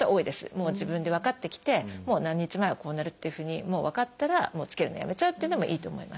もう自分で分かってきてもう何日前はこうなるっていうふうに分かったらもうつけるのやめちゃうっていうのもいいと思います。